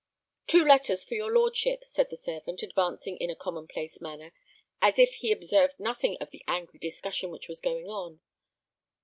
"Two letters for your lordship," said the servant, advancing in a commonplace manner, as if he observed nothing of the angry discussion which was going on.